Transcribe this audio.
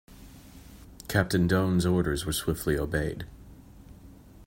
Captain Doane's orders were swiftly obeyed.